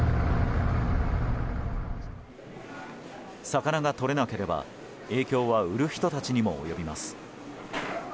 魚がとれなければ影響は売る人たちにも及びます。